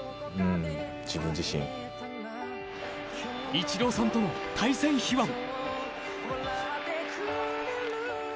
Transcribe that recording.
イチローさんとの対戦秘話も。